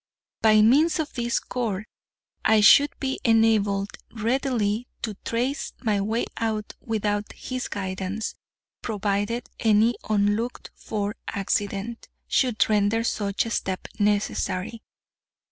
By means of this cord I should be enabled readily to trace my way out without his guidance, provided any unlooked for accident should render such a step necessary.